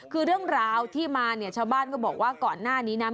คือเรื่องราวที่มาเนี่ยชาวบ้านก็บอกว่าก่อนหน้านี้นะ